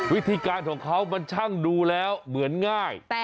วิธีการของเขามันช่างดูแล้วเหมือนง่าย